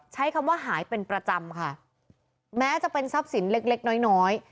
ใช้คำว่าหายเป็นประจำค่ะแม้จะเป็นทรัพย์สินเล็กเล็กน้อยน้อย